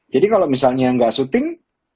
jadi kalau misalnya nggak syuting